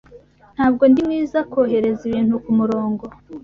Ntabwo ndi mwiza kohereza ibintu kumurongo.